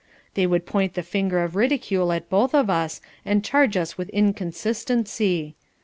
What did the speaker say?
They would point the finger of ridicule at both of us, and charge us with inconsistency.